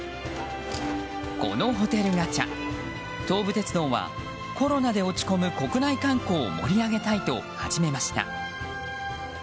このホテルガチャ、東武鉄道はコロナで落ち込む国内観光を盛り上げたいと始めました。